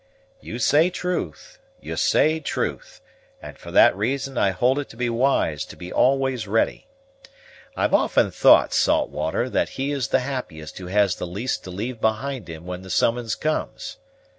"You say truth, you say truth; and for that reason I hold it to be wise to be always ready. I've often thought, Saltwater, that he is the happiest who has the least to leave behind him when the summons comes.